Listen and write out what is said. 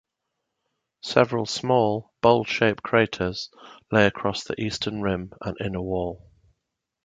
Several small, bowl-shaped craters lay across the eastern rim and inner wall.